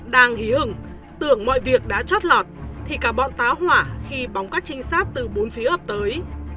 đang hí hừng tưởng mọi việc đã trót lọt thì cả bọn táo hỏa khi bóng các trinh sát từ bốn phía ấp tới